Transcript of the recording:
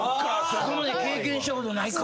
そこまで経験したことないか。